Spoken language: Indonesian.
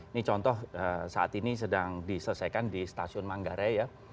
ini contoh saat ini sedang diselesaikan di stasiun manggarai ya